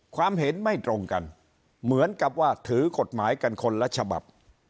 ความเห็นไม่ตรงกันเหมือนกับว่าถือกฎหมายกันคนละฉบับ